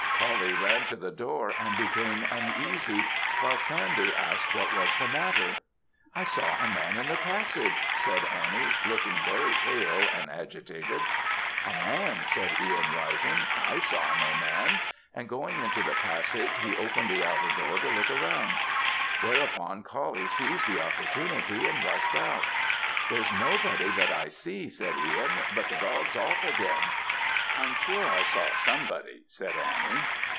Coullie ran to the door, and became uneasy, while Sandy asked what was the matter. "I saw a man in the passage," said Annie, looking very pale and agitated. "A man," said Ihan, rising; "I saw no man;" and going into the passage, he opened the outer door to look round; whereupon, Coullie seized the opportunity, and rushed out. "There's nobody that I see," said Ihan; "but the dog's off again." "I'm sure I saw somebody," said Annie.